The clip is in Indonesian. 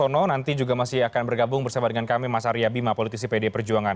karena nanti juga masih akan bergabung bersama dengan kami mas arya bima politisi pd perjuangan